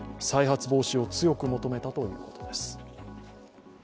再発防止を強く求めたということです。